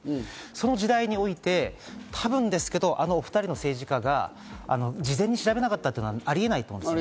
その時代において、多分ですけど、お２人の政治家が事前に調べなかったというのはありえないと思います。